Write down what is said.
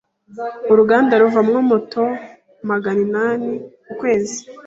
Uruganda ruvamo moto magana inani ku kwezi.